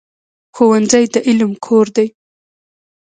ښوونځی د علم کور دی.